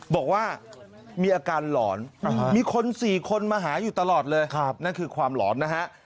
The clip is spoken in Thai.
บอกว่ามีอาการหลอนมีคน๔คนมาหาอยู่ตลอดเลยนั่นคือความหลอนนะฮะ